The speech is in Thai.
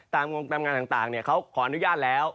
ตามงานต่างเขาขออนุญาตแล้ว